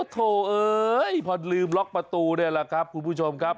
โถเอ้ยพอลืมล็อกประตูนี่แหละครับคุณผู้ชมครับ